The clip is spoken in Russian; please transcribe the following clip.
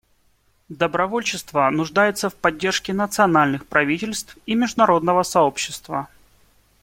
Добровольчество нуждается в поддержке национальных правительств и международного сообщества.